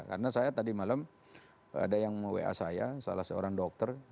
karena saya tadi malam ada yang wa saya salah seorang dokter